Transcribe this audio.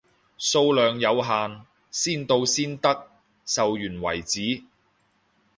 數量有限，先到先得，售完為止，